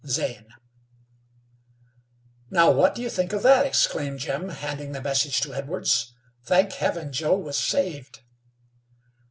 "Zane." "Now, what do you think of that?" exclaimed Jim, handing the message to Edwards. "Thank Heaven, Joe was saved!"